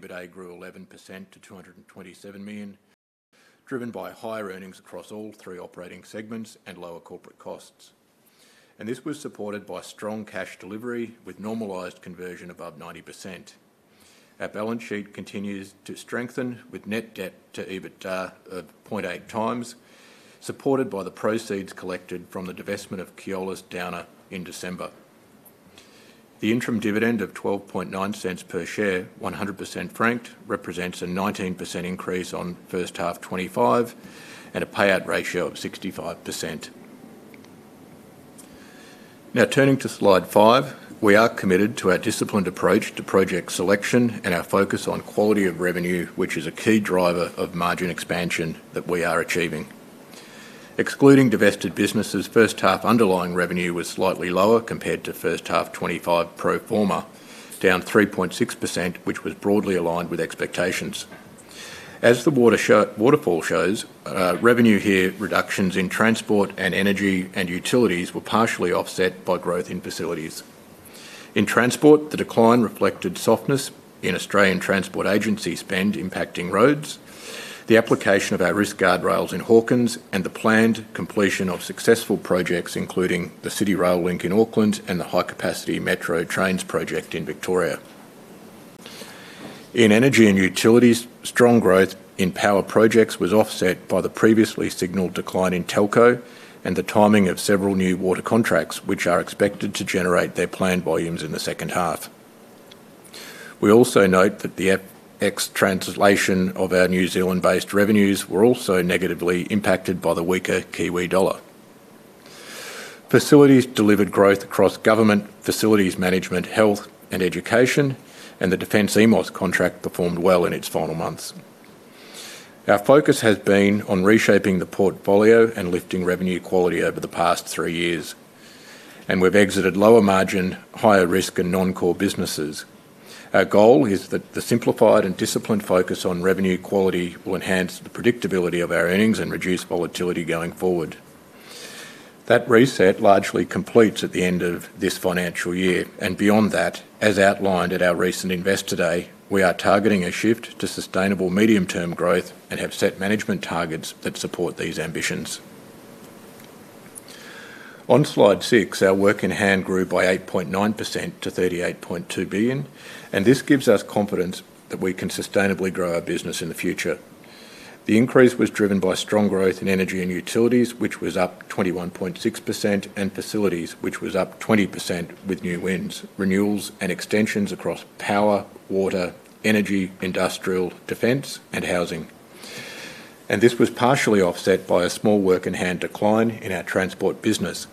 EBITDA grew 11% to 227 million, driven by higher earnings across all three operating segments and lower corporate costs. This was supported by strong cash delivery, with normalized conversion above 90%. Our balance sheet continues to strengthen, with net debt to EBITDA of 0.8x, supported by the proceeds collected from the divestment of Keolis Downer in December. The interim dividend of 0.129 per share, 100% franked, represents a 19% increase on first half 2025 and a payout ratio of 65%. Now, turning to Slide five, we are committed to our disciplined approach to project selection and our focus on quality of revenue, which is a key driver of margin expansion that we are achieving. Excluding divested businesses, first half underlying revenue was slightly lower compared to first half 2025 pro forma, down 3.6%, which was broadly aligned with expectations. As the waterfall shows, revenue here, reductions in Transport and Energy and Utilities were partially offset by growth in facilities. In Transport, the decline reflected softness in Australian Transport agency spend impacting roads, the application of our risk guardrails in Hawkins, and the planned completion of successful projects, including the City Rail Link in Auckland and the High Capacity Metro Trains project in Victoria. In Energy and Utilities, strong growth in power projects was offset by the previously signaled decline in telco and the timing of several new water contracts, which are expected to generate their planned volumes in the second half. We also note that the FX translation of our New Zealand-based revenues were also negatively impacted by the weaker Kiwi dollar. Facilities delivered growth across government, facilities management, health, and education, and the Defence EMOS contract performed well in its final months. Our focus has been on reshaping the portfolio and lifting revenue quality over the past three years, and we've exited lower margin, higher risk and non-core businesses. Our goal is that the simplified and disciplined focus on revenue quality will enhance the predictability of our earnings and reduce volatility going forward. That reset largely completes at the end of this financial year, and beyond that, as outlined at our recent Investor Day, we are targeting a shift to sustainable medium-term growth and have set management targets that support these ambitions. On Slide six, our work in hand grew by 8.9% to 38.2 billion, and this gives us confidence that we can sustainably grow our business in the future. The increase was driven by strong growth in Energy and Utilities, which was up 21.6%, and facilities, which was up 20% with new wins, renewals, and extensions across power, water, energy, industrial, defence, and housing. This was partially offset by a small work-in-hand decline in our Transport business.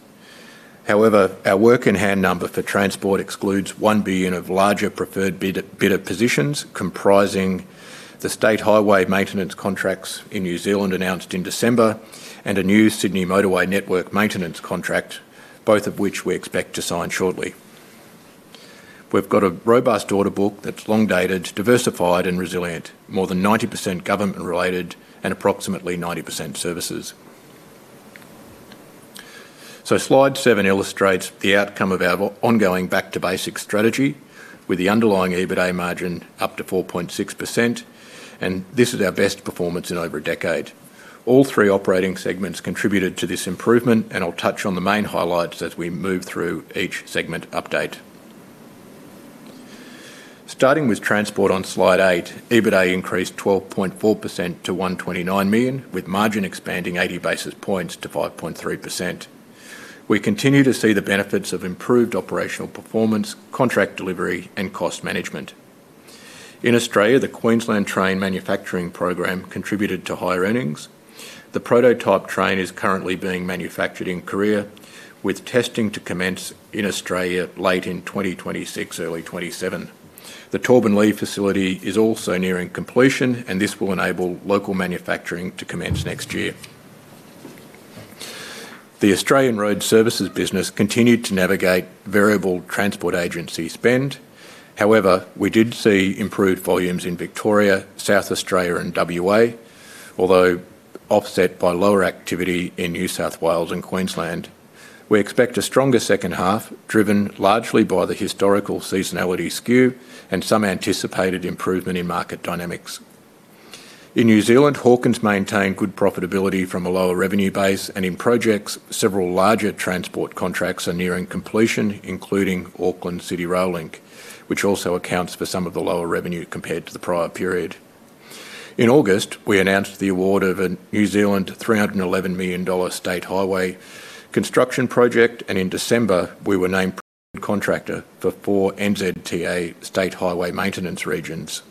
However, our work-in-hand number for Transport excludes 1 billion of larger preferred bid, bidder positions, comprising the state highway maintenance contracts in New Zealand announced in December, and a new Sydney motorway network maintenance contract, both of which we expect to sign shortly. We've got a robust order book that's long-dated, diversified, and resilient, more than 90% government-related and approximately 90% services. Slide seven illustrates the outcome of our ongoing back to basics strategy, with the underlying EBITDA margin up to 4.6%, and this is our best performance in over a decade. All three operating segments contributed to this improvement, and I'll touch on the main highlights as we move through each segment update. Starting with Transport on Slide eight, EBITDA increased 12.4% to 129 million, with margin expanding 80 basis points to 5.3%. We continue to see the benefits of improved operational performance, contract delivery, and cost management. In Australia, the Queensland Train Manufacturing Program contributed to higher earnings. The prototype train is currently being manufactured in Korea, with testing to commence in Australia late in 2026, early 2027. The Torbanlea facility is also nearing completion, and this will enable local manufacturing to commence next year. The Australian Road Services business continued to navigate variable Transport agency spend. However, we did see improved volumes in Victoria, South Australia, and WA, although offset by lower activity in New South Wales and Queensland. We expect a stronger second half, driven largely by the historical seasonality skew and some anticipated improvement in market dynamics. In New Zealand, Hawkins maintained good profitability from a lower revenue base, and in projects, several larger Transport contracts are nearing completion, including Auckland City Rail Link, which also accounts for some of the lower revenue compared to the prior period. In August, we announced the award of a New Zealand 311 million New Zealand dollars state highway construction project, and in December, we were named contractor for four NZTA state highway maintenance regions.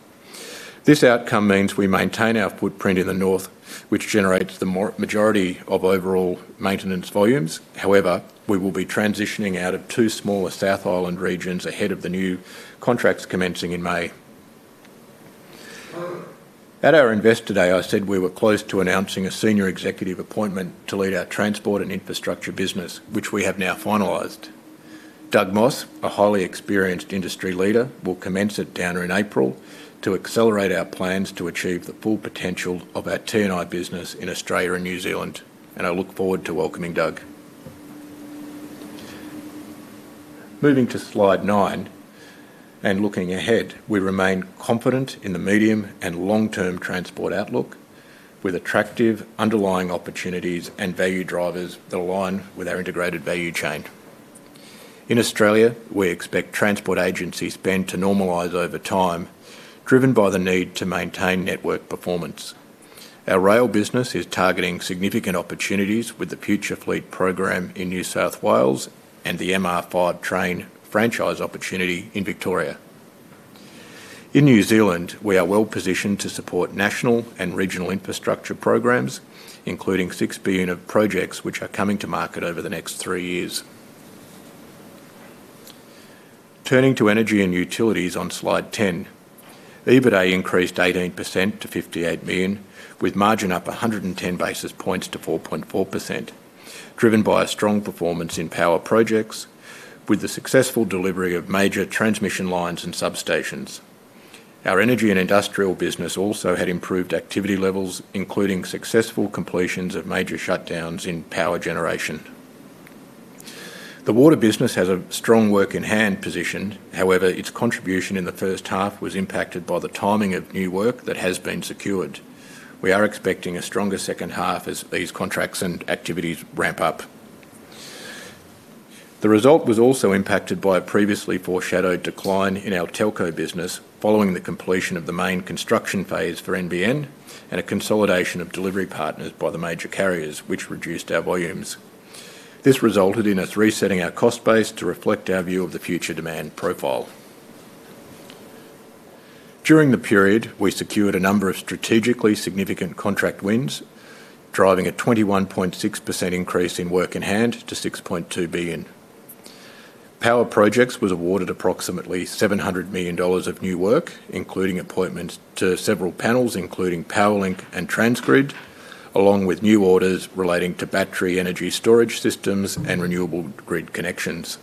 This outcome means we maintain our footprint in the north, which generates the majority of overall maintenance volumes. However, we will be transitioning out of two smaller South Island regions ahead of the new contracts commencing in May. At our Investor Day, I said we were close to announcing a senior executive appointment to lead our Transport and infrastructure business, which we have now finalized. Doug Moss, a highly experienced industry leader, will commence at Downer in April to accelerate our plans to achieve the full potential of our T&I business in Australia and New Zealand, and I look forward to welcoming Doug. Moving to Slide nine, and looking ahead, we remain confident in the medium and long-term Transport outlook, with attractive underlying opportunities and value drivers that align with our integrated value chain. In Australia, we expect Transport agency spend to normalize over time, driven by the need to maintain network performance. Our rail business is targeting significant opportunities with the Future Fleet Program in New South Wales and the MR5 train franchise opportunity in Victoria. In New Zealand, we are well-positioned to support national and regional infrastructure programs, including 6 billion of projects which are coming to market over the next three years. Turning to Energy and Utilities on Slide 10, EBITDA increased 18% to 58 million, with margin up 110 basis points to 4.4%, driven by a strong performance in power projects, with the successful delivery of major transmission lines and substations. Our energy and industrial business also had improved activity levels, including successful completions of major shutdowns in power generation. The water business has a strong work-in-hand position. However, its contribution in the first half was impacted by the timing of new work that has been secured. We are expecting a stronger second half as these contracts and activities ramp up. The result was also impacted by a previously foreshadowed decline in our telco business, following the completion of the main construction phase for NBN and a consolidation of delivery partners by the major carriers, which reduced our volumes. This resulted in us resetting our cost base to reflect our view of the future demand profile. During the period, we secured a number of strategically significant contract wins, driving a 21.6% increase in work in hand to 6.2 billion. Power Projects was awarded approximately 700 million dollars of new work, including appointments to several panels, including Powerlink and TransGrid, along with new orders relating to battery energy storage systems and renewable grid connections.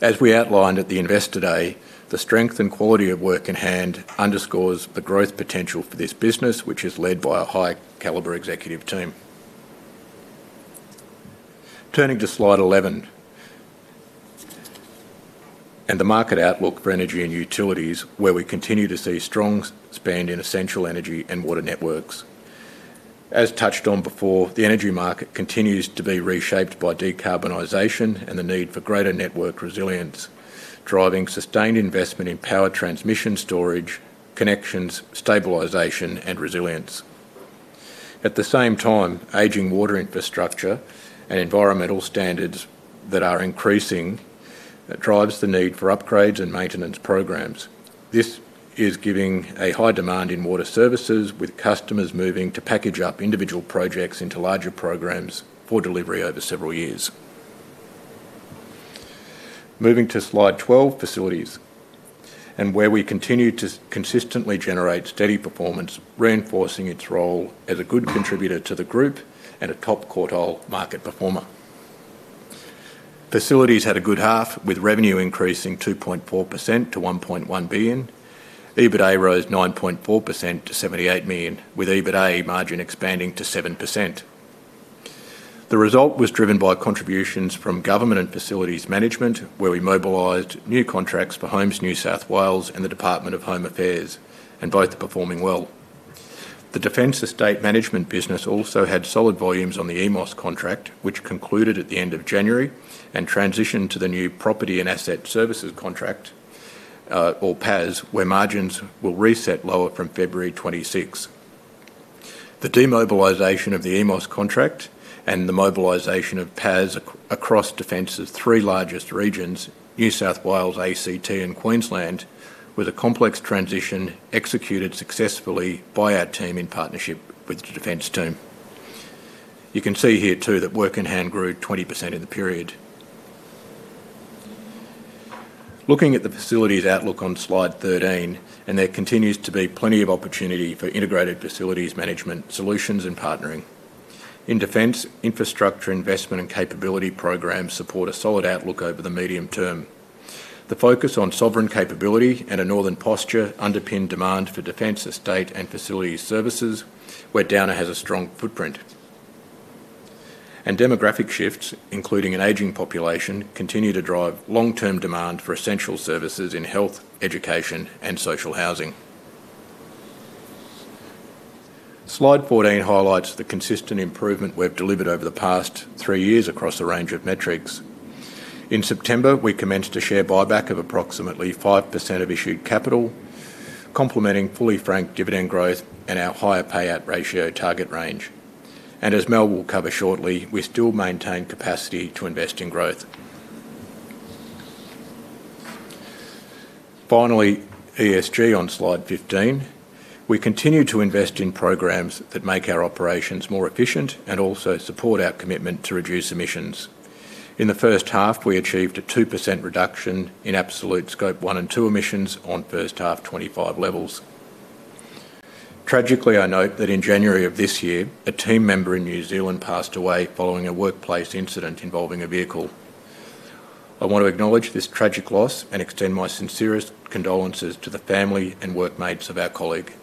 As we outlined at the Investor Day, the strength and quality of work in hand underscores the growth potential for this business, which is led by a high-caliber executive team. Turning to Slide 11, and the market outlook for Energy and Utilities, where we continue to see strong spend in essential energy and water networks. As touched on before, the energy market continues to be reshaped by decarbonization and the need for greater network resilience, driving sustained investment in power transmission, storage, connections, stabilization, and resilience. At the same time, aging water infrastructure and environmental standards that are increasing, drives the need for upgrades and maintenance programs. This is giving a high demand in water services, with customers moving to package up individual projects into larger programs for delivery over several years. Moving to Slide 12, Facilities, where we continue to consistently generate steady performance, reinforcing its role as a good contributor to the group and a top-quartile market performer. Facilities had a good half, with revenue increasing 2.4% to 1.1 billion. EBITDA rose 9.4% to 78 million, with EBITDA margin expanding to 7%. The result was driven by contributions from government and facilities management, where we mobilized new contracts for Homes New South Wales and the Department of Home Affairs, and both are performing well. The Defence Estate Management business also had solid volumes on the EMOS contract, which concluded at the end of January and transitioned to the new Property and Asset Services contract, or PAS, where margins will reset lower from February 2026. The demobilization of the EMOS contract and the mobilization of PAS across Defence's three largest regions, New South Wales, ACT, and Queensland, was a complex transition executed successfully by our team in partnership with the Defence team. You can see here, too, that work in hand grew 20% in the period. Looking at the Facilities outlook on Slide 13, and there continues to be plenty of opportunity for integrated facilities management solutions and partnering. In Defence, infrastructure investment and capability programs support a solid outlook over the medium term. The focus on sovereign capability and a northern posture underpin demand for defence estate and facilities services, where Downer has a strong footprint. Demographic shifts, including an aging population, continue to drive long-term demand for essential services in health, education, and social housing. Slide 14 highlights the consistent improvement we've delivered over the past three years across a range of metrics. In September, we commenced a share buyback of approximately 5% of issued capital, complementing fully franked dividend growth and our higher payout ratio target range. As Mal will cover shortly, we still maintain capacity to invest in growth. Finally, ESG on Slide 15. We continue to invest in programs that make our operations more efficient and also support our commitment to reduce emissions. In the first half, we achieved a 2% reduction in absolute Scope 1 and 2 emissions on first half 2025 levels. Tragically, I note that in January of this year, a team member in New Zealand passed away following a workplace incident involving a vehicle. I want to acknowledge this tragic loss and extend my sincerest condolences to the family and workmates of our colleague.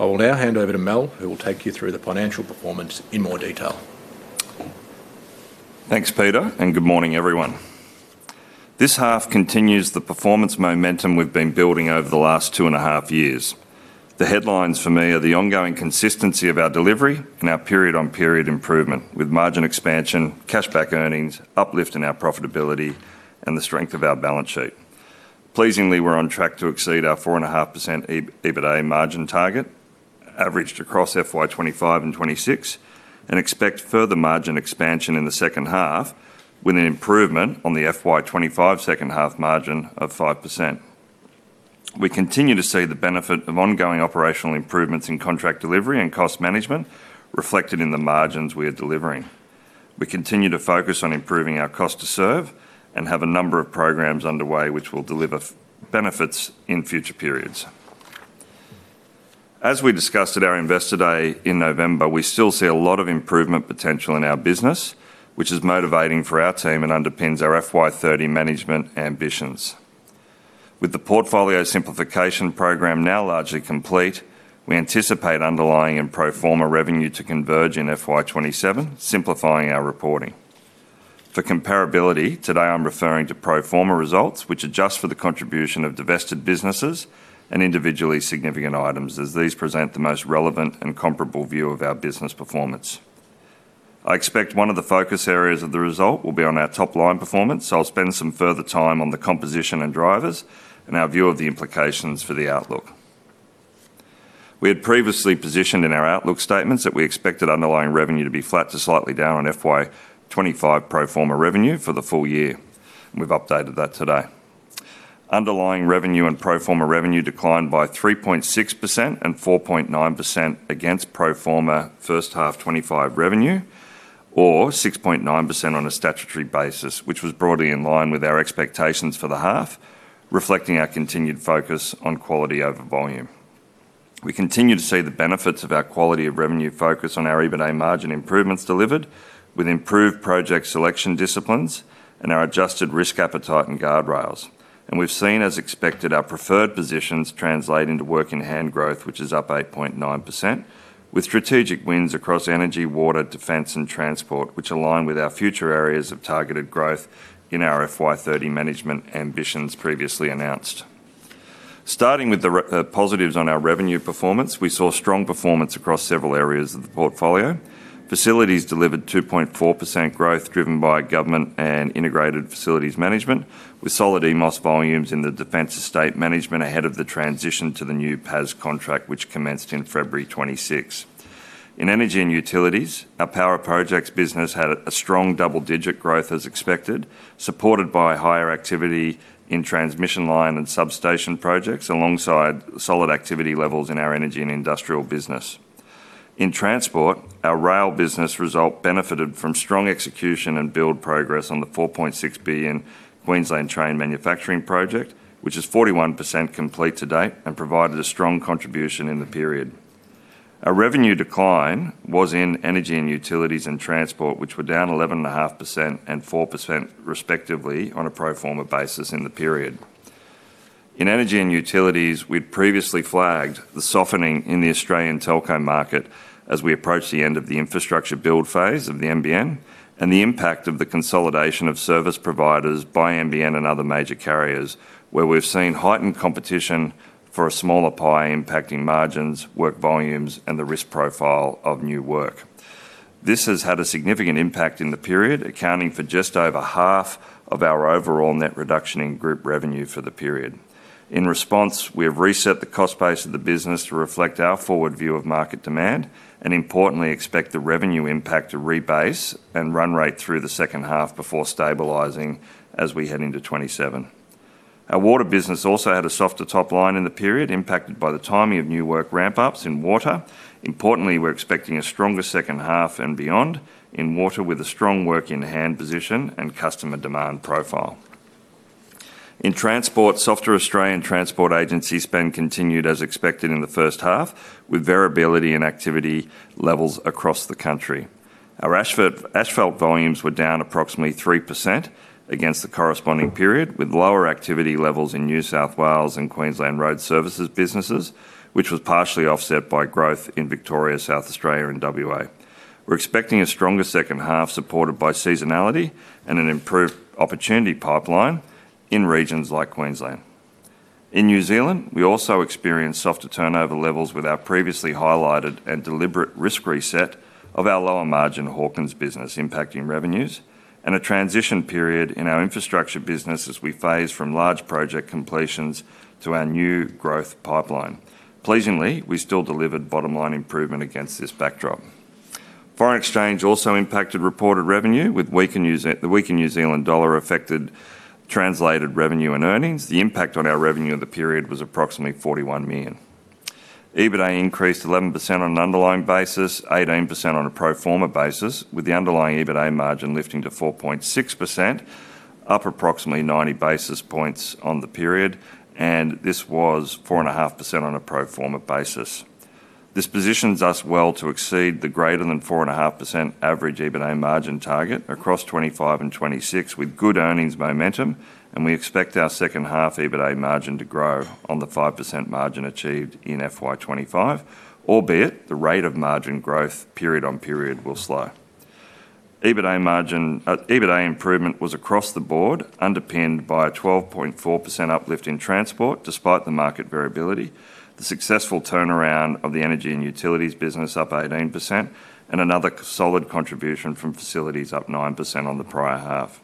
I will now hand over to Mal, who will take you through the financial performance in more detail. Thanks, Peter, and good morning, everyone. This half continues the performance momentum we've been building over the last two and half years. The headlines for me are the ongoing consistency of our delivery and our period-on-period improvement, with margin expansion, cash-backed earnings, uplift in our profitability, and the strength of our balance sheet. Pleasingly, we're on track to exceed our 4.5% EBITDA margin target, averaged across FY 2025 and 2026, and expect further margin expansion in the second half, with an improvement on the FY 2025 second half margin of 5%. We continue to see the benefit of ongoing operational improvements in contract delivery and cost management reflected in the margins we are delivering. We continue to focus on improving our cost to serve and have a number of programs underway which will deliver benefits in future periods. As we discussed at our Investor Day in November, we still see a lot of improvement potential in our business, which is motivating for our team and underpins our FY 2030 management ambitions. With the portfolio simplification program now largely complete, we anticipate underlying and pro forma revenue to converge in FY 2027, simplifying our reporting. For comparability, today I'm referring to pro forma results, which adjust for the contribution of divested businesses and individually significant items, as these present the most relevant and comparable view of our business performance. I expect one of the focus areas of the result will be on our top-line performance. So I'll spend some further time on the composition and drivers and our view of the implications for the outlook. We had previously positioned in our outlook statements that we expected underlying revenue to be flat to slightly down on FY 2025 pro forma revenue for the full year, and we've updated that today. Underlying revenue and pro forma revenue declined by 3.6% and 4.9% against pro forma first half 25 revenue, or 6.9% on a statutory basis, which was broadly in line with our expectations for the half, reflecting our continued focus on quality over volume. We continue to see the benefits of our quality of revenue focus on our EBITDA margin improvements delivered with improved project selection disciplines and our adjusted risk appetite and guardrails. And we've seen, as expected, our preferred positions translate into work in hand growth, which is up 8.9%, with strategic wins across energy, water, defence, and Transport, which align with our future areas of targeted growth in our FY2030 management ambitions previously announced. Starting with the positives on our revenue performance, we saw strong performance across several areas of the portfolio. Facilities delivered 2.4% growth, driven by government and integrated facilities management, with solid EMOS volumes in the Defence Estate Management ahead of the transition to the new PAS contract, which commenced in February 2026. In Energy and Utilities, our power projects business had a strong double-digit growth as expected, supported by higher activity in transmission line and substation projects, alongside solid activity levels in our energy and industrial business. In Transport, our rail business result benefited from strong execution and build progress on the 4.6 billion Queensland Train Manufacturing project, which is 41% complete to date and provided a strong contribution in the period. Our revenue decline was in Energy and Utilities and Transport, which were down 11.5% and 4% respectively on a pro forma basis in the period. In Energy and Utilities, we'd previously flagged the softening in the Australian telco market as we approach the end of the infrastructure build phase of the NBN and the impact of the consolidation of service providers by NBN and other major carriers, where we've seen heightened competition for a smaller pie, impacting margins, work volumes, and the risk profile of new work. This has had a significant impact in the period, accounting for just over half of our overall net reduction in group revenue for the period. In response, we have reset the cost base of the business to reflect our forward view of market demand, and importantly, expect the revenue impact to rebase and run rate through the second half before stabilizing as we head into 2027. Our water business also had a softer top line in the period, impacted by the timing of new work ramp-ups in water. Importantly, we're expecting a stronger second half and beyond in water, with a strong work in hand position and customer demand profile. In Transport, softer Australian Transport agency spend continued as expected in the first half, with variability in activity levels across the country. Our asphalt volumes were down approximately 3% against the corresponding period, with lower activity levels in New South Wales and Queensland road services businesses, which was partially offset by growth in Victoria, South Australia, and WA. We're expecting a stronger second half, supported by seasonality and an improved opportunity pipeline in regions like Queensland. In New Zealand, we also experienced softer turnover levels with our previously highlighted and deliberate risk reset of our lower margin Hawkins business impacting revenues and a transition period in our infrastructure business as we phase from large project completions to our new growth pipeline. Pleasingly, we still delivered bottom-line improvement against this backdrop. Foreign exchange also impacted reported revenue, with the weaker New Zealand dollar affected translated revenue and earnings. The impact on our revenue of the period was approximately 41 million. EBITDA increased 11% on an underlying basis, 18% on a pro forma basis, with the underlying EBITDA margin lifting to 4.6%, up approximately 90 basis points on the period, and this was 4.5% on a pro forma basis. This positions us well to exceed the greater than 4.5% average EBITDA margin target across 2025 and 2026, with good earnings momentum, and we expect our second half EBITDA margin to grow on the 5% margin achieved in FY 2025, albeit the rate of margin growth period on period will slow. EBITDA margin, EBITDA improvement was across the board, underpinned by a 12.4% uplift in Transport, despite the market variability. The successful turnaround of the Energy and Utilities business up 18%, and another solid contribution from facilities up 9% on the prior half.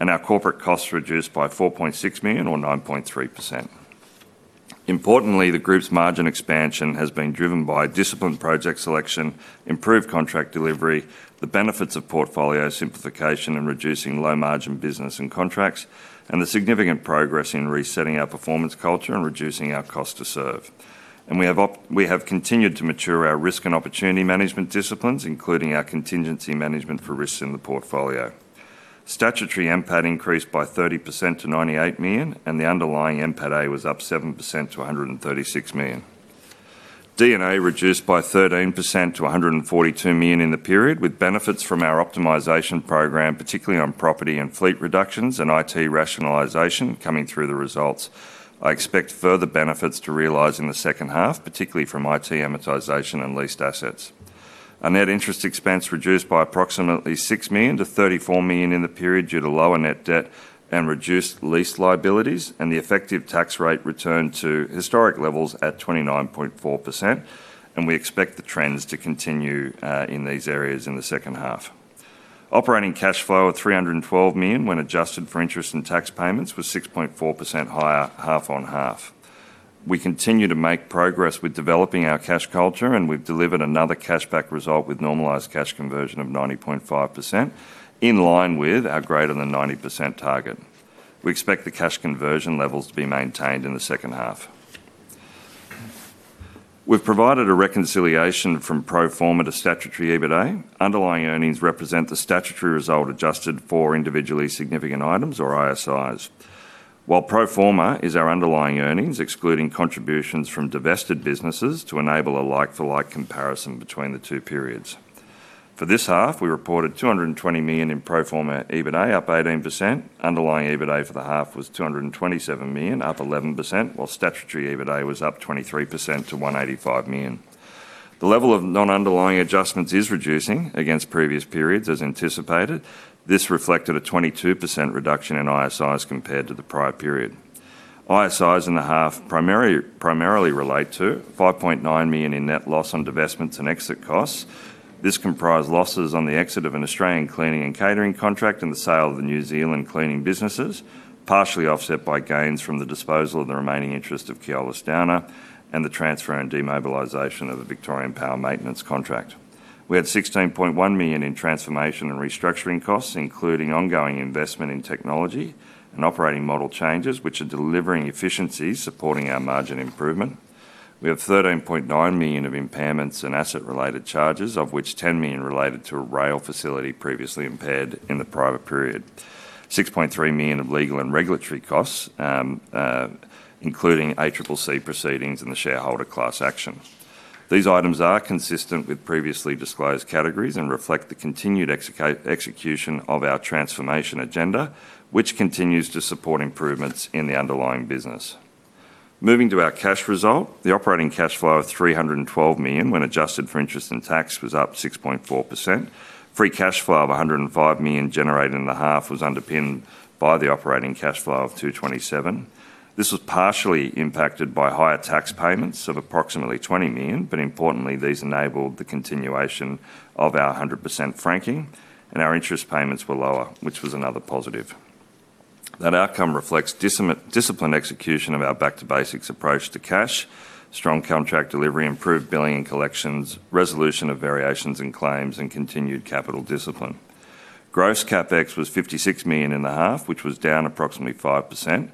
Our corporate costs reduced by 4.6 million or 9.3%. Importantly, the group's margin expansion has been driven by disciplined project selection, improved contract delivery, the benefits of portfolio simplification, and reducing low-margin business and contracts, and the significant progress in resetting our performance culture and reducing our cost to serve. We have continued to mature our risk and opportunity management disciplines, including our contingency management for risks in the portfolio. Statutory NPAT increased by 30% to 98 million, and the underlying NPATA was up 7% to 136 million. D&A reduced by 13% to 142 million in the period, with benefits from our optimization program, particularly on property and fleet reductions and IT rationalization coming through the results. I expect further benefits to realize in the second half, particularly from IT amortization and leased assets. Our net interest expense reduced by approximately 6 million to 34 million in the period due to lower net debt and reduced lease liabilities, and the effective tax rate returned to historic levels at 29.4%, and we expect the trends to continue, in these areas in the second half. Operating cash flow of 312 million, when adjusted for interest and tax payments, was 6.4% higher, half on half. We continue to make progress with developing our cash culture, and we've delivered another cash back result with normalized cash conversion of 90.5%, in line with our greater than 90% target. We expect the cash conversion levels to be maintained in the second half. We've provided a reconciliation from pro forma to statutory EBITDA. Underlying earnings represent the statutory result, adjusted for individually significant items or ISIs. While pro forma is our underlying earnings, excluding contributions from divested businesses to enable a like-for-like comparison between the two periods. For this half, we reported 220 million in pro forma EBITDA, up 18%. Underlying EBITDA for the half was 227 million, up 11%, while statutory EBITDA was up 23% to 185 million. The level of non-underlying adjustments is reducing against previous periods as anticipated. This reflected a 22% reduction in ISIs compared to the prior period. ISIs in the half primarily relate to 5.9 million in net loss on divestments and exit costs. This comprised losses on the exit of an Australian cleaning and catering contract and the sale of the New Zealand cleaning businesses, partially offset by gains from the disposal of the remaining interest of Keolis Downer and the transfer and demobilization of the Victorian Power Maintenance contract. We had 16.1 million in transformation and restructuring costs, including ongoing investment in technology and operating model changes, which are delivering efficiencies, supporting our margin improvement. We have 13.9 million of impairments and asset-related charges, of which 10 million related to a rail facility previously impaired in the prior period. 6.3 million of legal and regulatory costs, including ACCC proceedings and the shareholder class action. These items are consistent with previously disclosed categories and reflect the continued execution of our transformation agenda, which continues to support improvements in the underlying business. Moving to our cash result, the operating cash flow of 312 million, when adjusted for interest and tax, was up 6.4%. Free cash flow of 105 million generated in the half, was underpinned by the operating cash flow of 227 million. This was partially impacted by higher tax payments of approximately 20 million, but importantly, these enabled the continuation of our 100% franking, and our interest payments were lower, which was another positive. That outcome reflects disciplined execution of our back to basics approach to cash, strong contract delivery, improved billing and collections, resolution of variations and claims, and continued capital discipline. Gross CapEx was 56 million in the half, which was down approximately 5%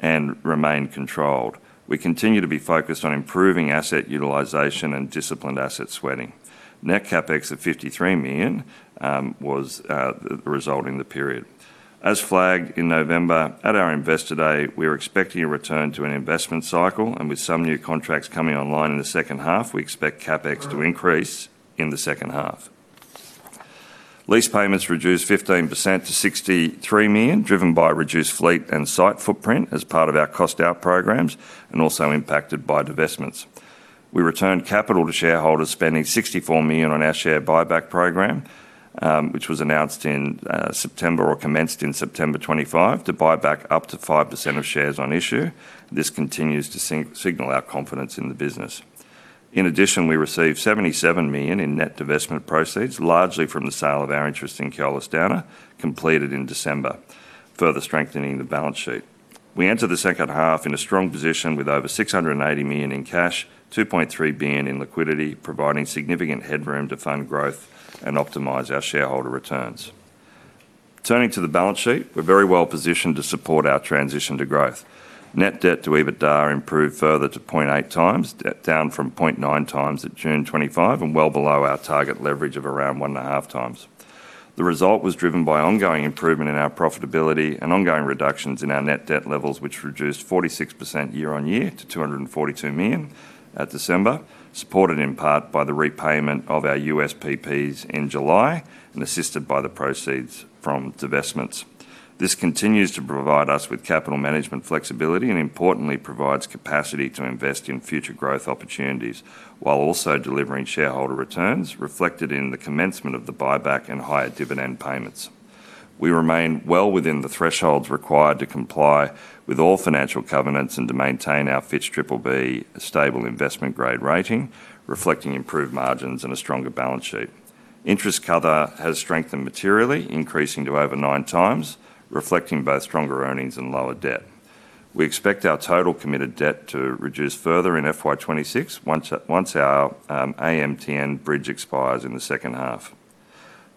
and remained controlled. We continue to be focused on improving asset utilization and disciplined asset sweating. Net CapEx at 53 million was the result in the period. As flagged in November at our Investor Day, we are expecting a return to an investment cycle, and with some new contracts coming online in the second half, we expect CapEx to increase in the second half. Lease payments reduced 15% to 63 million, driven by reduced fleet and site footprint as part of our cost out programs, and also impacted by divestments. We returned capital to shareholders, spending 64 million on our share buyback program, which was announced in or commenced in September 2025, to buy back up to 5% of shares on issue. This continues to signal our confidence in the business. In addition, we received AUD 77 million in net divestment proceeds, largely from the sale of our interest in Keolis Downer, completed in December, further strengthening the balance sheet. We enter the second half in a strong position, with over 680 million in cash, 2.3 billion in liquidity, providing significant headroom to fund growth and optimize our shareholder returns. Turning to the balance sheet, we're very well positioned to support our transition to growth. Net debt to EBITDA improved further to 0.8x, down from 0.9x at June 2025, and well below our target leverage of around 1.5x. The result was driven by ongoing improvement in our profitability and ongoing reductions in our net debt levels, which reduced 46% year-on-year to 242 million at December, supported in part by the repayment of our USPPs in July and assisted by the proceeds from divestments. This continues to provide us with capital management flexibility, and importantly, provides capacity to invest in future growth opportunities, while also delivering shareholder returns, reflected in the commencement of the buyback and higher dividend payments. We remain well within the thresholds required to comply with all financial covenants and to maintain our Fitch BBB stable investment grade rating, reflecting improved margins and a stronger balance sheet. Interest cover has strengthened materially, increasing to over 9x, reflecting both stronger earnings and lower debt. We expect our total committed debt to reduce further in FY 2026 once our AMTN bridge expires in the second half.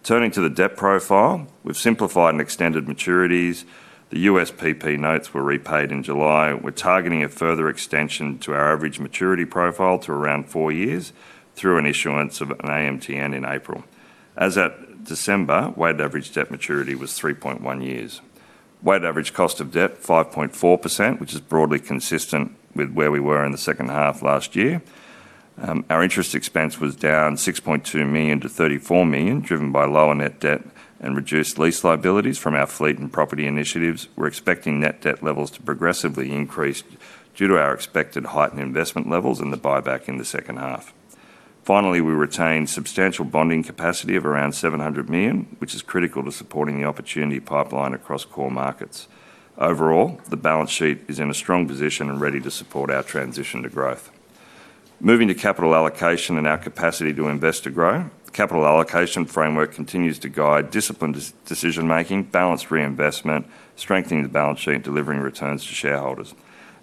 Turning to the debt profile, we've simplified and extended maturities. The USPP notes were repaid in July, and we're targeting a further extension to our average maturity profile to around 4 years through an issuance of an AMTN in April. As at December, weighted average debt maturity was 3.1 years. Weighted average cost of debt, 5.4%, which is broadly consistent with where we were in the second half last year. Our interest expense was down 6.2 million to 34 million, driven by lower net debt and reduced lease liabilities from our fleet and property initiatives. We're expecting net debt levels to progressively increase due to our expected heightened investment levels and the buyback in the second half. Finally, we retained substantial bonding capacity of around 700 million, which is critical to supporting the opportunity pipeline across core markets. Overall, the balance sheet is in a strong position and ready to support our transition to growth. Moving to capital allocation and our capacity to invest to grow. The capital allocation framework continues to guide disciplined decision making, balanced reinvestment, strengthening the balance sheet, delivering returns to shareholders.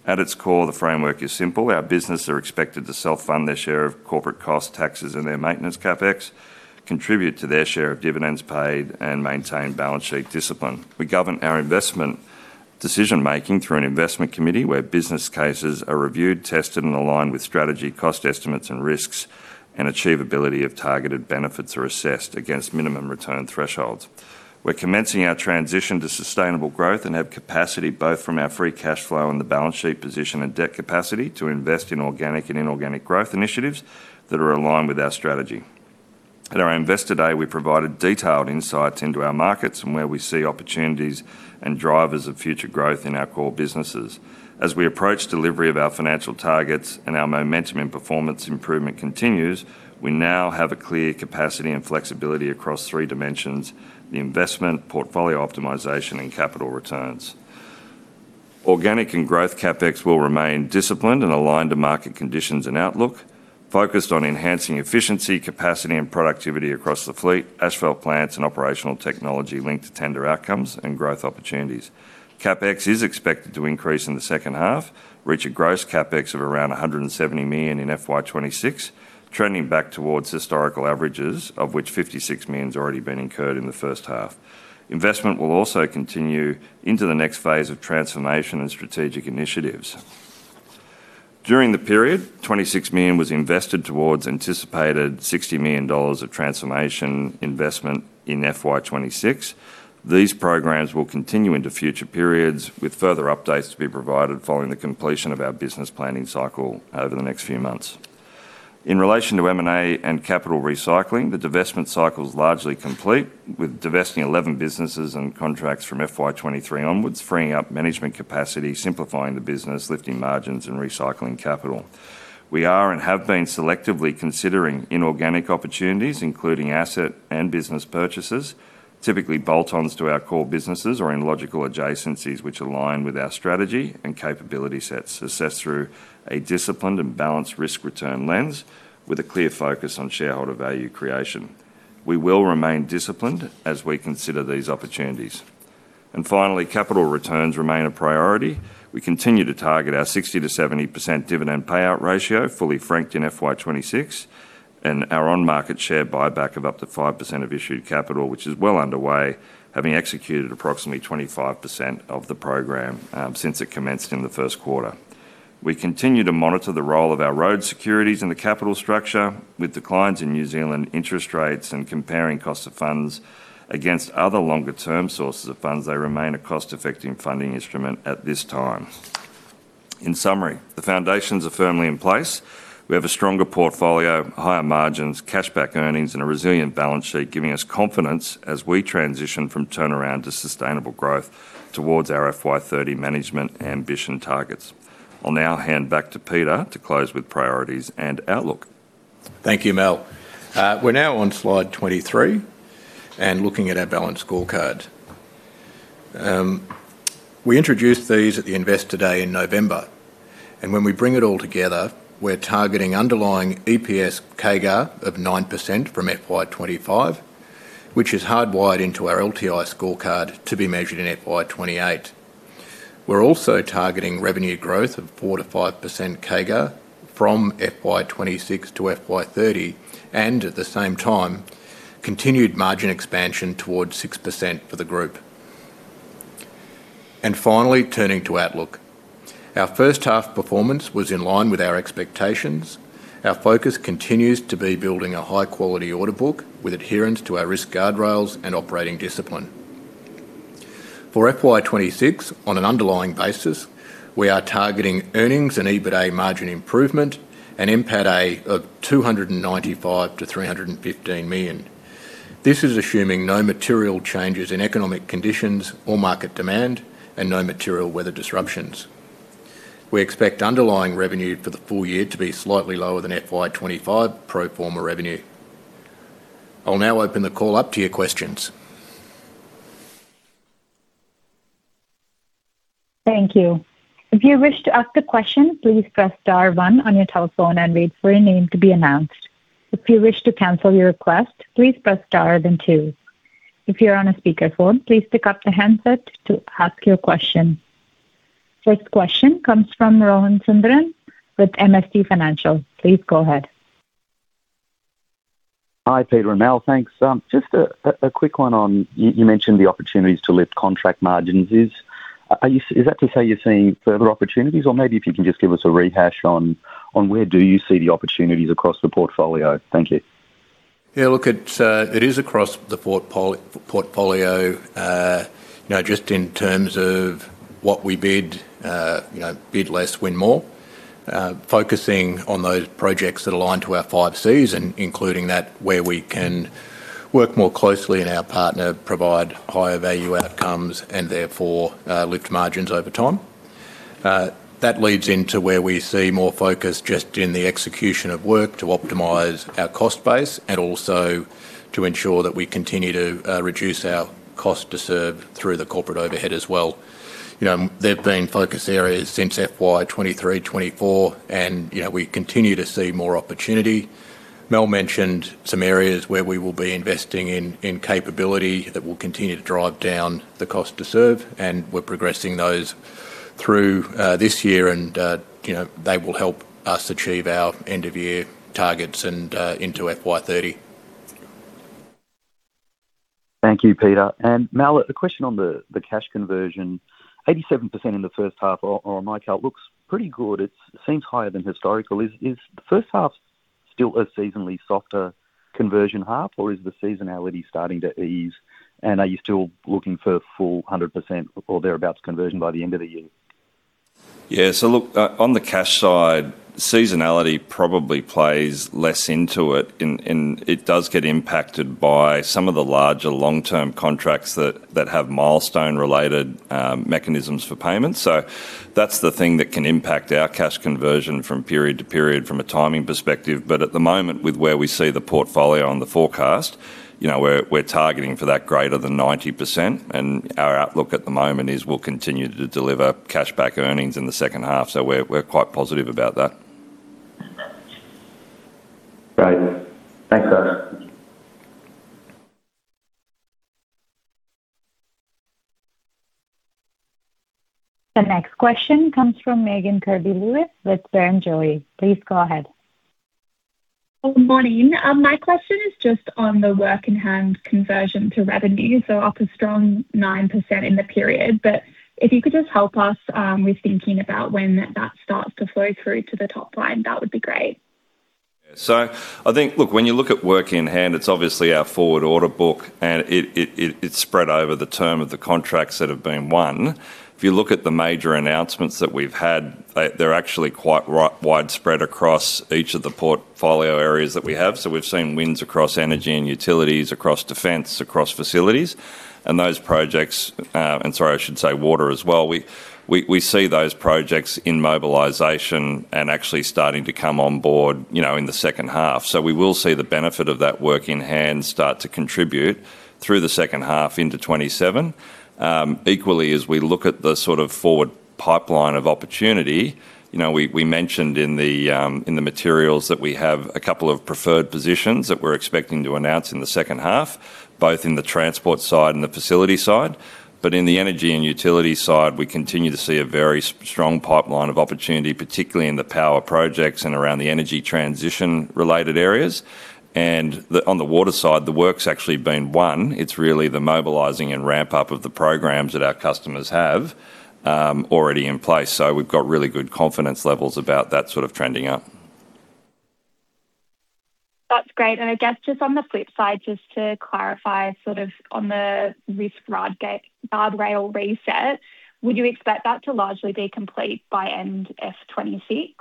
At its core, the framework is simple: Our businesses are expected to self-fund their share of corporate costs, taxes, and their maintenance CapEx, contribute to their share of dividends paid, and maintain balance sheet discipline. We govern our investment decision-making through an investment committee, where business cases are reviewed, tested, and aligned with strategy, cost estimates, and risks, and achievability of targeted benefits are assessed against minimum return thresholds. We're commencing our transition to sustainable growth and have capacity both from our free cash flow and the balance sheet position and debt capacity to invest in organic and inorganic growth initiatives that are aligned with our strategy. At our Investor Day, we provided detailed insights into our markets and where we see opportunities and drivers of future growth in our core businesses. As we approach delivery of our financial targets and our momentum and performance improvement continues, we now have a clear capacity and flexibility across three dimensions: the investment, portfolio optimization, and capital returns. Organic and growth CapEx will remain disciplined and aligned to market conditions and outlook, focused on enhancing efficiency, capacity, and productivity across the fleet, asphalt plants, and operational technology linked to tender outcomes and growth opportunities. CapEx is expected to increase in the second half, reach a gross CapEx of around 170 million in FY 2026, trending back towards historical averages, of which 56 million has already been incurred in the first half. Investment will also continue into the next phase of transformation and strategic initiatives. During the period, AUD 26 million was invested towards anticipated AUD 60 million of transformation investment in FY 2026. These programs will continue into future periods, with further updates to be provided following the completion of our business planning cycle over the next few months. In relation to M&A and capital recycling, the divestment cycle is largely complete, with divesting 11 businesses and contracts from FY 2023 onwards, freeing up management capacity, simplifying the business, lifting margins, and recycling capital. We are and have been selectively considering inorganic opportunities, including asset and business purchases, typically bolt-ons to our core businesses or in logical adjacencies which align with our strategy and capability sets, assessed through a disciplined and balanced risk-return lens with a clear focus on shareholder value creation. We will remain disciplined as we consider these opportunities. Finally, capital returns remain a priority. We continue to target our 60%-70% dividend payout ratio, fully franked in FY 2026, and our on-market share buyback of up to 5% of issued capital, which is well underway, having executed approximately 25% of the program, since it commenced in the first quarter. We continue to monitor the role of our ROADS securities in the capital structure. With declines in New Zealand interest rates and comparing costs of funds against other longer-term sources of funds, they remain a cost-effective funding instrument at this time. In summary, the foundations are firmly in place. We have a stronger portfolio, higher margins, cash back earnings, and a resilient balance sheet, giving us confidence as we transition from turnaround to sustainable growth towards our FY 30 management ambition targets. I'll now hand back to Peter to close with priorities and outlook. Thank you, Mel. We're now on slide 23 and looking at our balanced scorecard. We introduced these at the Investor Day in November, and when we bring it all together, we're targeting underlying EPS CAGR of 9% from FY 2025, which is hardwired into our LTI scorecard to be measured in FY 2028. We're also targeting revenue growth of 4%-5% CAGR from FY 2026 to FY 2030, and at the same time, continued margin expansion towards 6% for the group. And finally, turning to outlook. Our first half performance was in line with our expectations. Our focus continues to be building a high-quality order book with adherence to our risk guardrails and operating discipline. For FY 2026, on an underlying basis, we are targeting earnings and EBITDA margin improvement and NPATA of 295 million-315 million. This is assuming no material changes in economic conditions or market demand and no material weather disruptions. We expect underlying revenue for the full year to be slightly lower than FY 2025 pro forma revenue. I'll now open the call up to your questions. Thank you. If you wish to ask a question, please press star one on your telephone and wait for your name to be announced. If you wish to cancel your request, please press star then two. If you're on a speakerphone, please pick up the handset to ask your question. First question comes from Rohan Sundram with MST Financial. Please go ahead. Hi, Peter and Mal. Thanks. Just a quick one on you mentioned the opportunities to lift contract margins. Is that to say you're seeing further opportunities? Or maybe if you can just give us a rehash on where do you see the opportunities across the portfolio. Thank you. Yeah, look, it's, it is across the portfolio, you know, just in terms of what we bid, you know, bid less, win more. Focusing on those projects that align to our five Cs and including that where we can work more closely in our partner, provide higher value outcomes, and therefore, lift margins over time. That leads into where we see more focus just in the execution of work to optimize our cost base and also to ensure that we continue to, reduce our cost to serve through the corporate overhead as well. You know, they've been focus areas since FY 2023, 2024, and, you know, we continue to see more opportunity. Mel mentioned some areas where we will be investing in, in capability that will continue to drive down the cost to serve, and we're progressing those through, this year. You know, they will help us achieve our end-of-year targets and into FY 2030. Thank you, Peter. And Mel, a question on the cash conversion. 87% in the first half on my count looks pretty good. It seems higher than historical. Is the first half still a seasonally softer conversion half, or is the seasonality starting to ease? And are you still looking for full 100% or thereabouts conversion by the end of the year? Yeah, so look, on the cash side, seasonality probably plays less into it. It does get impacted by some of the larger long-term contracts that have milestone-related mechanisms for payments. So that's the thing that can impact our cash conversion from period to period from a timing perspective. But at the moment, with where we see the portfolio on the forecast, you know, we're targeting for that greater than 90%, and our outlook at the moment is we'll continue to deliver cash back earnings in the second half. So we're quite positive about that. Great. Thanks, guys. The next question comes from Megan Kirby-Lewis with Barrenjoey. Please go ahead. Good morning. My question is just on the work in hand conversion to revenue, so up a strong 9% in the period. But if you could just help us with thinking about when that starts to flow through to the top line, that would be great. So I think, look, when you look at work in hand, it's obviously our forward order book, and it's spread over the term of the contracts that have been won. If you look at the major announcements that we've had, they're actually quite widespread across each of the portfolio areas that we have. So we've seen wins across Energy and Utilities, across defence, across facilities, and those projects, and sorry, I should say water as well. We see those projects in mobilization and actually starting to come on board, you know, in the second half. So we will see the benefit of that work in hand start to contribute through the second half into 2027. Equally, as we look at the sort of forward pipeline of opportunity, you know, we mentioned in the materials that we have a couple of preferred positions that we're expecting to announce in the second half, both in the Transport side and the facility side. But in the energy and utility side, we continue to see a very strong pipeline of opportunity, particularly in the power projects and around the energy transition-related areas. And on the water side, the work's actually been won. It's really the mobilizing and ramp-up of the programs that our customers have already in place. So we've got really good confidence levels about that sort of trending up. That's great. And I guess just on the flip side, just to clarify, sort of on the risk roadmap guardrail reset, would you expect that to largely be complete by end FY 2026?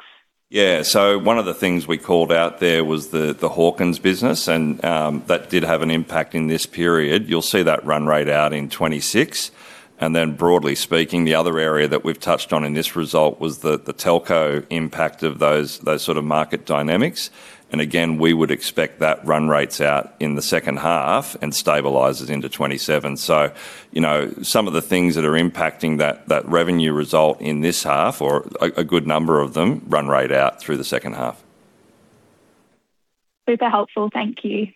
Yeah. So one of the things we called out there was the Hawkins business, and that did have an impact in this period. You'll see that run rate out in 2026. And then, broadly speaking, the other area that we've touched on in this result was the telco impact of those sort of market dynamics. And again, we would expect that run rates out in the second half and stabilizes into 2027. So, you know, some of the things that are impacting that revenue result in this half or a good number of them run right out through the second half. Super helpful. Thank you.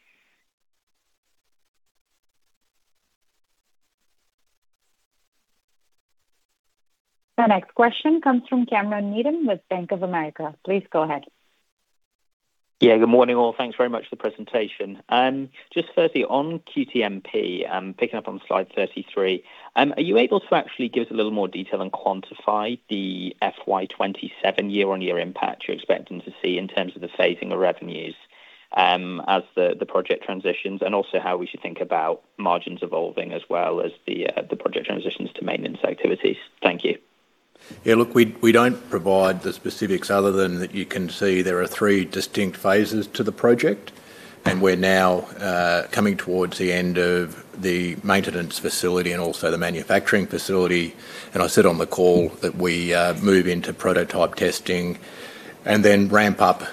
The next question comes from Cameron Needham with Bank of America. Please go ahead. Yeah, good morning, all. Thanks very much for the presentation. Just firstly, on QTMP, picking up on slide 33, are you able to actually give us a little more detail and quantify the FY 2027 year-on-year impact you're expecting to see in terms of the phasing of revenues, as the project transitions? And also how we should think about margins evolving as well as the project transitions to maintenance activities. Thank you. Yeah, look, we don't provide the specifics other than that you can see there are three distinct phases to the project, and we're now coming towards the end of the maintenance facility and also the manufacturing facility. And I said on the call that we move into prototype testing. and then ramp up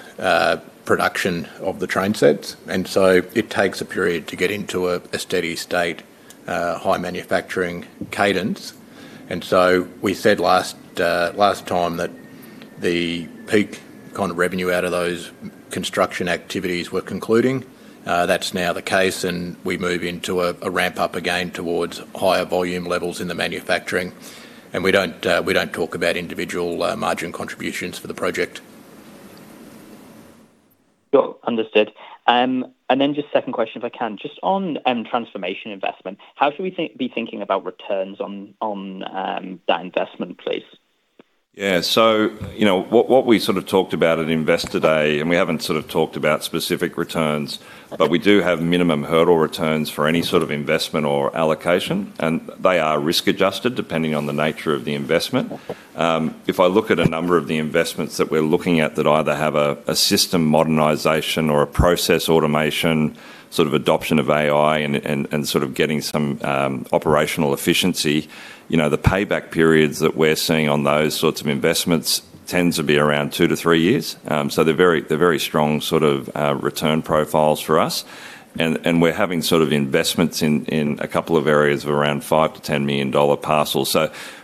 production of the train sets. And so it takes a period to get into a steady state high manufacturing cadence. And so we said last time that the peak kind of revenue out of those construction activities were concluding. That's now the case, and we move into a ramp up again towards higher volume levels in the manufacturing. And we don't talk about individual margin contributions for the project. Sure, understood. And then just second question, if I can. Just on transformation investment, how should we think- be thinking about returns on that investment, please? Yeah. So, you know, what, what we sort of talked about at Investor Day, and we haven't sort of talked about specific returns. Okay. We do have minimum hurdle returns for any sort of investment or allocation, and they are risk adjusted depending on the nature of the investment. If I look at a number of the investments that we're looking at that either have a system modernization or a process automation, sort of adoption of AI and sort of getting some operational efficiency, you know, the payback periods that we're seeing on those sorts of investments tends to be around two-three years. They're very strong sort of return profiles for us. We're having investments in a couple of areas of around 5 million-10 million dollar parcels.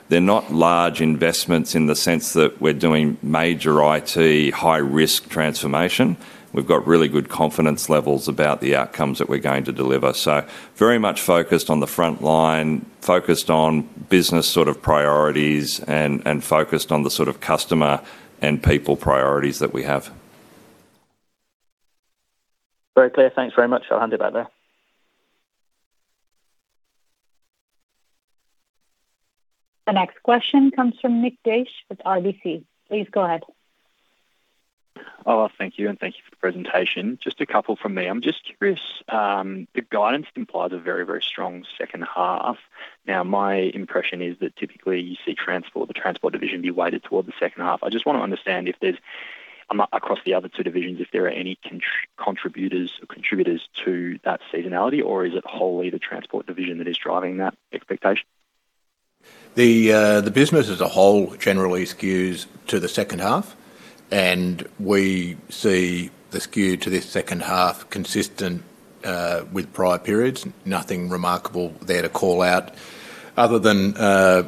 They're not large investments in the sense that we're doing major IT, high-risk transformation. We've got really good confidence levels about the outcomes that we're going to deliver. So very much focused on the front line, focused on business sort of priorities, and focused on the sort of customer and people priorities that we have. Very clear. Thanks very much. I'll hand it back there. The next question comes from Nick Daish with RBC. Please go ahead. Oh, thank you, and thank you for the presentation. Just a couple from me. I'm just curious, the guidance implies a very, very strong second half. Now, my impression is that typically you see Transport, the Transport division be weighted toward the second half. I just want to understand if there's, across the other two divisions, if there are any contributors to that seasonality, or is it wholly the Transport division that is driving that expectation? The business as a whole generally skews to the second half, and we see the skew to this second half consistent with prior periods. Nothing remarkable there to call out, other than,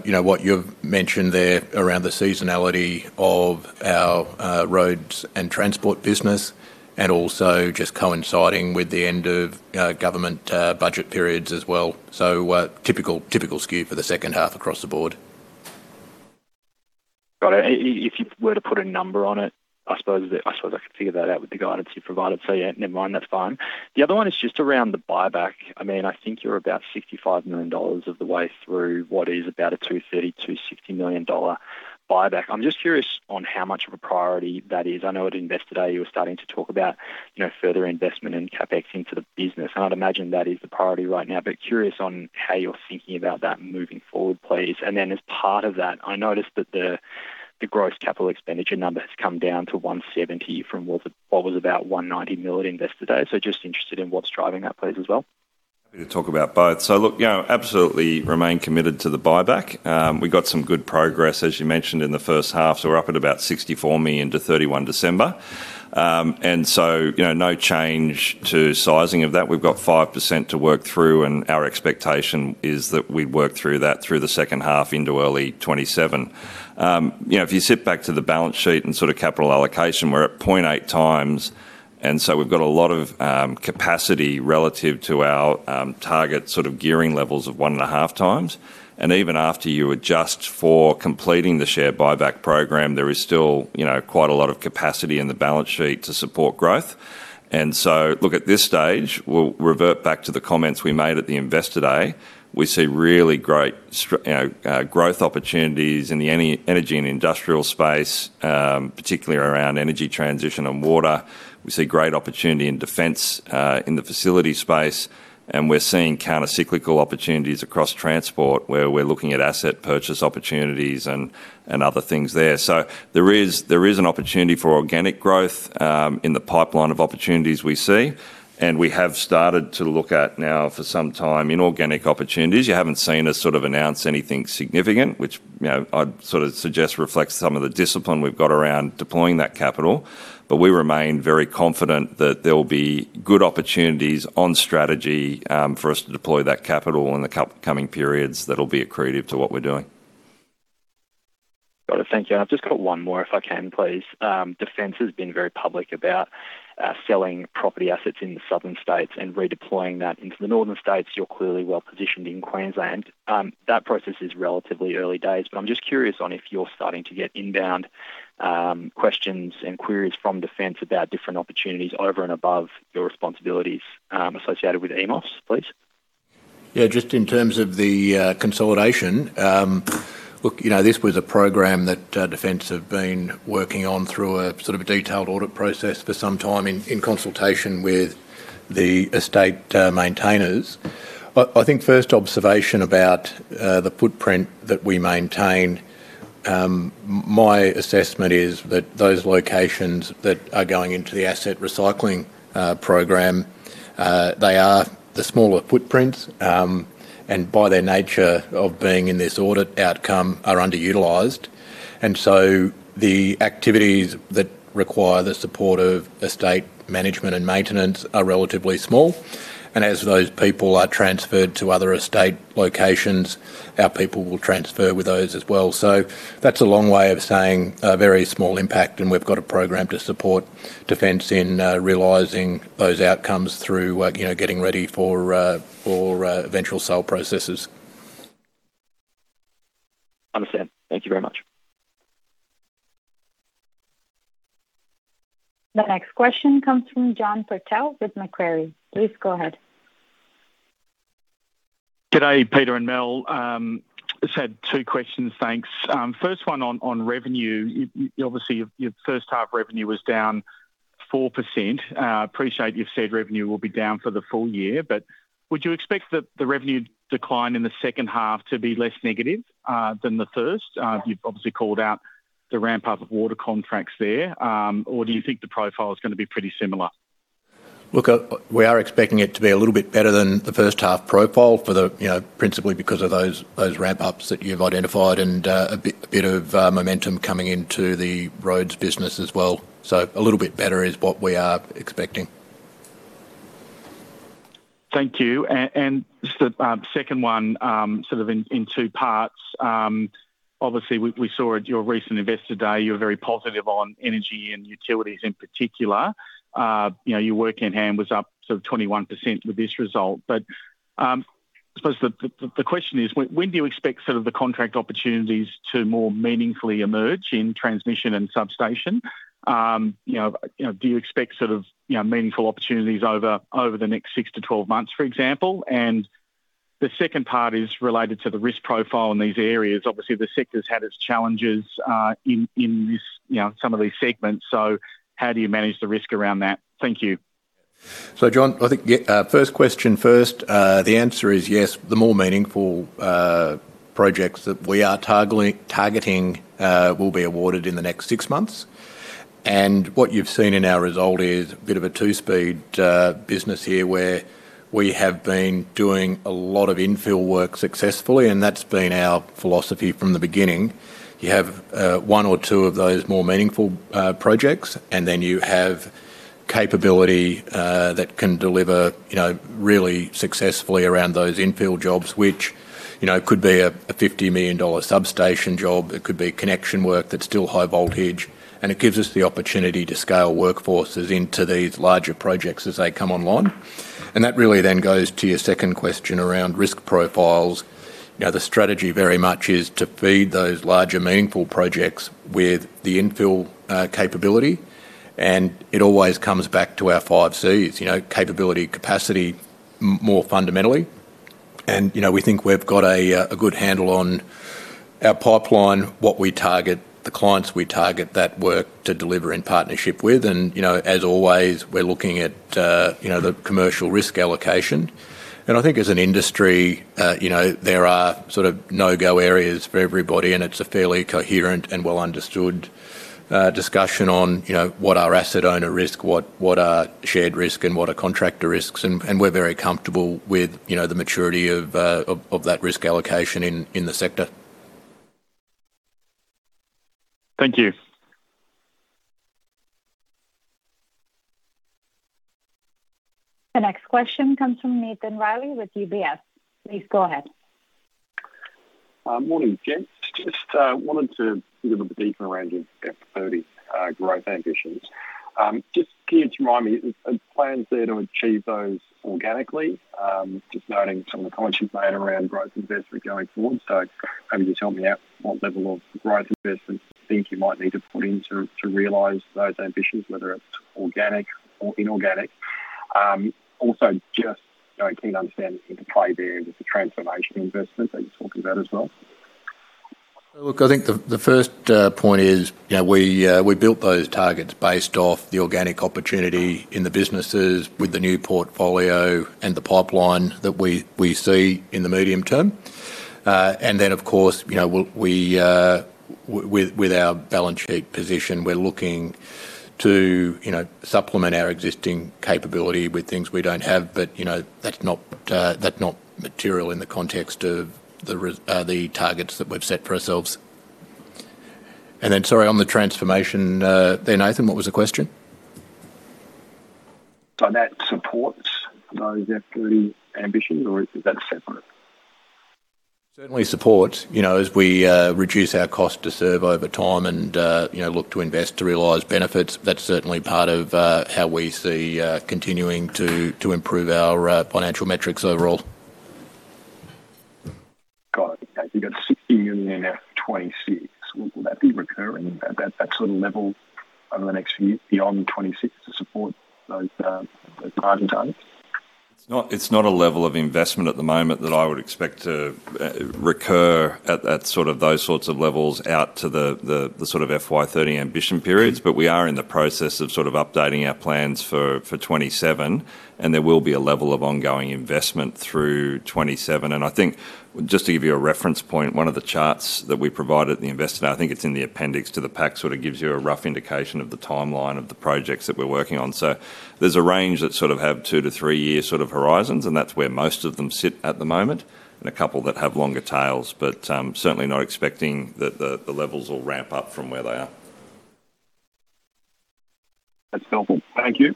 you know, what you've mentioned there around the seasonality of our roads and Transport business, and also just coinciding with the end of government budget periods as well. So, typical skew for the second half across the board. Got it. If you were to put a number on it, I suppose that... I suppose I could figure that out with the guidance you provided. Yeah, never mind, that's fine. The other one is just around the buyback. I mean, I think you're about 65 million dollars of the way through what is about an 230million-260 million dollar buyback. I'm just curious on how much of a priority that is. I know at Investor Day, you were starting to talk about, you know, further investment and CapEx into the business, and I'd imagine that is the priority right now. Curious on how you're thinking about that moving forward, please. As part of that, I noticed that the gross capital expenditure number has come down to 170 million from what was about 190 million at Investor Day. So just interested in what's driving that, please, as well? Happy to talk about both. So look, you know, absolutely remain committed to the buyback. We got some good progress, as you mentioned, in the first half, so we're up at about 64 million to 31 December. And so, you know, no change to sizing of that. We've got 5% to work through, and our expectation is that we work through that through the second half into early 2027. You know, if you zip back to the balance sheet and sort of capital allocation, we're at 0.8 times, and so we've got a lot of capacity relative to our target sort of gearing levels of 1.5 times. And even after you adjust for completing the share buyback program, there is still, you know, quite a lot of capacity in the balance sheet to support growth. So look, at this stage, we'll revert back to the comments we made at the Investor Day. We see really great, you know, growth opportunities in the energy and industrial space, particularly around energy transition and water. We see great opportunity in defence, in the facility space, and we're seeing countercyclical opportunities across Transport, where we're looking at asset purchase opportunities and, and other things there. So there is, there is an opportunity for organic growth, in the pipeline of opportunities we see, and we have started to look at now for some time, inorganic opportunities. You haven't seen us sort of announce anything significant, which, you know, I'd sort of suggest reflects some of the discipline we've got around deploying that capital. But we remain very confident that there will be good opportunities on strategy for us to deploy that capital in the coming periods that will be accretive to what we're doing. Got it. Thank you. I've just got one more, if I can, please. Defence has been very public about selling property assets in the southern states and redeploying that into the northern states. You're clearly well positioned in Queensland. That process is relatively early days, but I'm just curious on if you're starting to get inbound questions and queries from Defence about different opportunities over and above your responsibilities associated with EMOS, please? Yeah, just in terms of the consolidation, look, you know, this was a program that Defence have been working on through a sort of a detailed audit process for some time in consultation with the estate maintainers. I think first observation about the footprint that we maintain-... My assessment is that those locations that are going into the asset recycling program, they are the smaller footprints, and by their nature of being in this audit outcome, are underutilized. And so the activities that require the support of estate management and maintenance are relatively small, and as those people are transferred to other estate locations, our people will transfer with those as well. So that's a long way of saying a very small impact, and we've got a program to support Defence in realizing those outcomes through work, you know, getting ready for eventual sale processes. Understand. Thank you very much. The next question comes from John Purtell with Macquarie. Please go ahead. G'day, Peter and Mel. Just had two questions, thanks. First one on revenue. Obviously, your first half revenue was down 4%. Appreciate you've said revenue will be down for the full year, but would you expect the revenue decline in the second half to be less negative than the first? You've obviously called out the ramp-up of water contracts there. Or do you think the profile is gonna be pretty similar? Look, we are expecting it to be a little bit better than the first half profile for the... You know, principally because of those ramp-ups that you've identified and, a bit of momentum coming into the roads business as well. So a little bit better is what we are expecting. Thank you. And just the second one, sort of in two parts. Obviously, we saw at your recent Investor Day, you were very positive on Energy and Utilities in particular. You know, your work in hand was up 21% with this result. But I suppose the question is, when do you expect sort of the contract opportunities to more meaningfully emerge in transmission and substation? You know, do you expect sort of meaningful opportunities over the next six to 12 months, for example? And the second part is related to the risk profile in these areas. Obviously, the sector's had its challenges in this, you know, some of these segments, so how do you manage the risk around that? Thank you. So, John, I think, yeah, first question first. The answer is yes. The more meaningful projects that we are targeting will be awarded in the next six months. And what you've seen in our result is a bit of a two-speed business here, where we have been doing a lot of infill work successfully, and that's been our philosophy from the beginning. You have one or two of those more meaningful projects, and then you have capability that can deliver, you know, really successfully around those infill jobs, which, you know, could be a 50 million dollar substation job, it could be connection work that's still high voltage, and it gives us the opportunity to scale workforces into these larger projects as they come online. And that really then goes to your second question around risk profiles. You know, the strategy very much is to feed those larger, meaningful projects with the infill capability, and it always comes back to our five Cs. You know, capability, capacity, more fundamentally. And, you know, we think we've got a good handle on our pipeline, what we target, the clients we target, that work to deliver in partnership with. And, you know, as always, we're looking at, you know, the commercial risk allocation. And I think as an industry, you know, there are sort of no-go areas for everybody, and it's a fairly coherent and well understood discussion on, you know, what are asset owner risk, what, what are shared risk, and what are contractor risks. And we're very comfortable with, you know, the maturity of that risk allocation in the sector. Thank you. The next question comes from Nathan Reilly with UBS. Please go ahead. Morning, gents. Just wanted to dig a bit deeper around your FY 2030 growth ambitions. Just can you remind me, are plans there to achieve those organically? Just noting some of the comments you've made around growth investment going forward. So maybe you can help me out, what level of growth investment think you might need to put in to realize those ambitions, whether it's organic or inorganic? Also, just, you know, keen to understand the play there with the transformation investment that you talked about as well. Look, I think the first point is, you know, we built those targets based off the organic opportunity in the businesses with the new portfolio and the pipeline that we see in the medium term. And then, of course, you know, with our balance sheet position, we're looking to, you know, supplement our existing capability with things we don't have. But, you know, that's not material in the context of the targets that we've set for ourselves. And then, sorry, on the transformation, Nathan, what was the question? That supports those FY 2030 ambitions, or is that separate? Certainly supports, you know, as we reduce our cost to serve over time and, you know, look to invest to realize benefits, that's certainly part of how we see continuing to improve our financial metrics overall. Got it. You've got 60 million for 2026. Will that be recurring at that sort of level over the next few years, beyond 2026, to support those margin targets? It's not, it's not a level of investment at the moment that I would expect to recur at that sort of those sorts of levels out to the the the sort of FY 2030 ambition periods. But we are in the process of sort of updating our plans for for 27, and there will be a level of ongoing investment through 27. And I think, just to give you a reference point, one of the charts that we provided the investor, I think it's in the appendix to the pack, sort of gives you a rough indication of the timeline of the projects that we're working on. So there's a range that sort of have two to three year sort of horizons, and that's where most of them sit at the moment, and a couple that have longer tails. But certainly not expecting that the levels will ramp up from where they are. That's helpful. Thank you.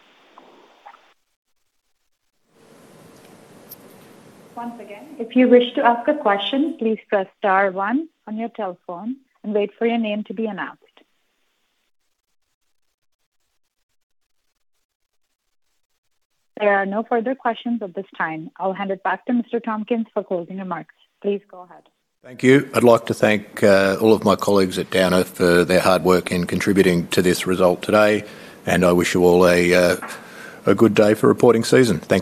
Once again, if you wish to ask a question, please press star one on your telephone and wait for your name to be announced. There are no further questions at this time. I'll hand it back to Mr. Tompkins for closing remarks. Please go ahead. Thank you. I'd like to thank all of my colleagues at Downer for their hard work in contributing to this result today, and I wish you all a good day for reporting season. Thank you.